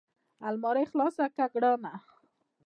المارۍ خلاصه کړه ګرانه !